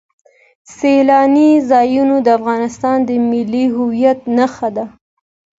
سیلانی ځایونه د افغانستان د ملي هویت نښه ده.